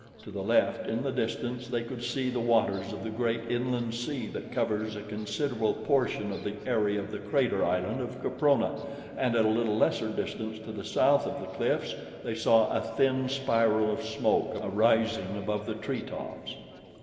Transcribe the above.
To the left, in the distance, they could see the waters of the great inland sea that covers a considerable portion of the area of the crater island of Caprona and at a little lesser distance to the south of the cliffs they saw a thin spiral of smoke arising above the tree tops.